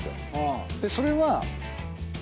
それは。